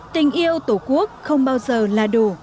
tình yêu tổ quốc không bao giờ là đủ